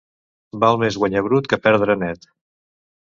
Val més guanyar brut que perdre net.